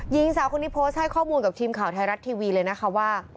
หญิงสาวคนนี้โพสต์ให้ข้อมูลกับทีมข่าวไทยรัฐทีวีเลยนะคะว่า